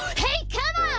カモン！